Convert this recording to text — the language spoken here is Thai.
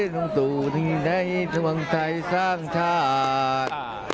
ลุงตู่ที่ไหนทวงไทยสร้างชาติ